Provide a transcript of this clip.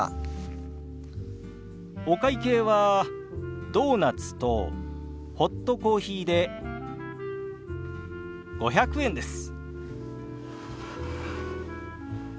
お会計はドーナツとホットコーヒーで５００円です。